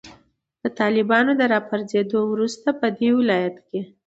د طالبانو د راپرزیدو وروسته پدې ولایت کې